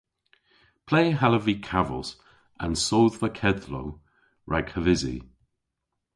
Ple hallav vy kavos an sodhva kedhlow rag havysi?